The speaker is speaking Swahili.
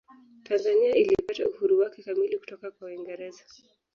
tanzania ilipata uhuru wake kamili kutoka kwa uingereza